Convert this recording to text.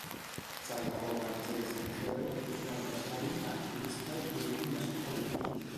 Salvador Vergés i Tejero és un empresari, activista i polític nascut a Olot.